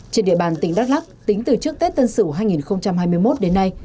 trên địa bàn tỉnh đắk lắc tính từ trước tết tân sửu hai nghìn hai mươi một đến nay